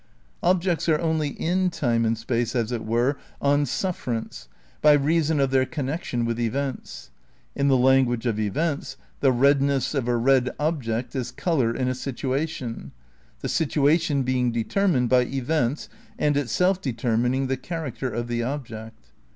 Objects are only in time and space as it were on sufferance by reason of their connection with events. In the language of events the redness of a red object is "colour in a situation," the situation being determined by events and itself de termining the character of the object.